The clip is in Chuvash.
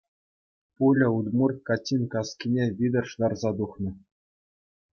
Пуля удмурт каччин каскине витӗр шӑтарса тухнӑ.